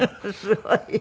すごい。